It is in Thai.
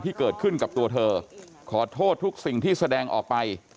ที่เกิดขึ้นกับตัวเธอขอโทษทุกสิ่งที่แสดงออกไป